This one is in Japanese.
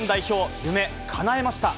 夢、かなえました。